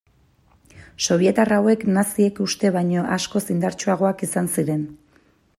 Sobietar hauek naziek uste baino askoz indartsuagoak izan ziren.